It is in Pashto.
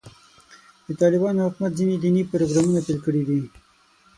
د طالبانو حکومت ځینې دیني پروګرامونه پیل کړي دي.